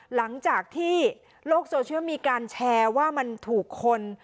หลังจากที่โลกโซเชียลมีการแชร์ว่ามันถูกคน